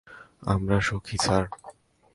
আমরা সুখী, স্যার।